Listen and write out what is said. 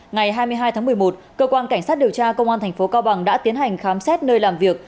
ngày hai mươi hai tháng một mươi một cơ quan cảnh sát điều tra công an thành phố cao bằng đã tiến hành khám xét nơi làm việc